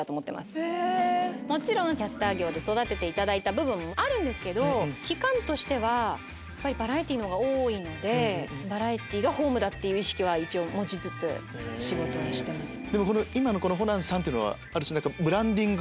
キャスター業で育てていただいた部分もあるんですけど期間としてはやっぱりバラエティーのほうが多いのでバラエティーがホームだっていう意識は持ちつつ仕事はしてます。